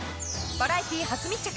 バラエティー初密着。